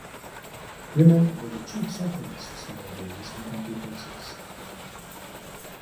Women were the chief cyclists nowadays in country places.